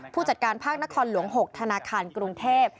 ผู้จัดการภาคนครหลวง๖ธนาคารกรุงเทพ